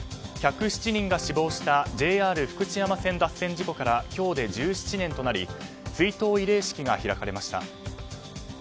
１０７人が死亡したＪＲ福知山線事故から今日で１７年となり追悼慰霊式が開かれました。